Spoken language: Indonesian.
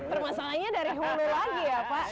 permasalahannya dari hulu lagi ya pak